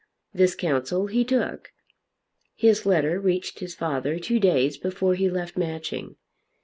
This counsel he took. His letter reached his father two days before he left Matching.